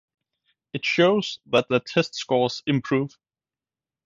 It shows that their test scores improve